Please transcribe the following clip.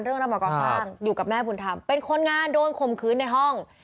รับมาก่อสร้างอยู่กับแม่บุญธรรมเป็นคนงานโดนข่มขืนในห้อง